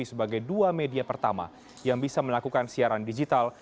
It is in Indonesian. sebagai dua media pertama yang bisa melakukan siaran digital